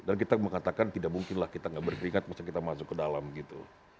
dan kita mengatakan tidak mungkinlah kita nggak berkeringat masa kita masuk ke dalam gitu